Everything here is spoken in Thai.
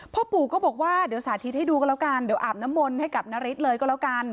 พ่อปู่ก็บอกว่าเดี๋ยวสาธิตให้ดูกันแล้วกันเดี๋ยวอาบน้ำมนต์ให้กับนฤทธิ์เลยก็แล้วกัน